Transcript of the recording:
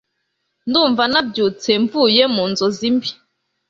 Ndumva nabyutse mvuye mu nzozi mbi.